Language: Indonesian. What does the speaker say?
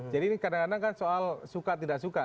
jadi ini kadang kadang kan soal suka tidak suka